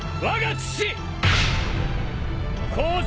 父！？